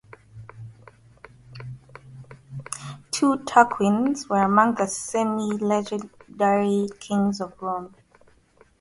Two Tarquins were among the semi-legendary kings of Rome.